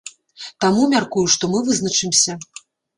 Таму, мяркую, што мы вызначымся.